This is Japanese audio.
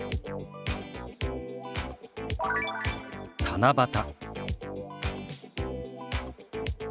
「七夕」。